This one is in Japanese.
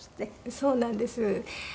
そうなんです。